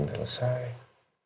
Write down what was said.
sekarang timbul masalah berikutnya